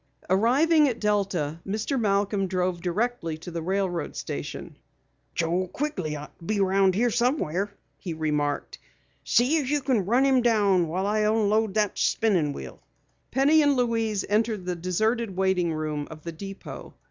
Arriving at Delta, Mr. Malcom drove directly to the railroad station. "Joe Quigley ought to be around here somewhere," he remarked. "See if you can run him down while I unload this spinnin' wheel." Penny and Louise entered the deserted waiting room of the depot.